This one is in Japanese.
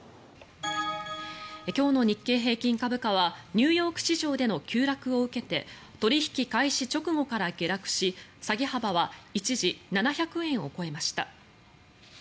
今日の日経平均株価はニューヨーク市場での急落を受けて取引開始直後から下落し下げ幅は一時、７００円を超えました。